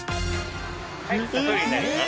はいさそりになります。